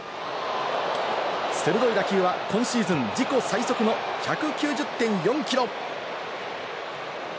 鋭い打球は今シーズン自己最速の１９０．４キロ。